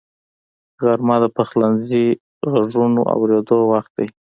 غرمه د پخلنځي غږونو اورېدو وخت دی